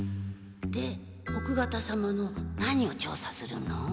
で奥方様の何を調査するの？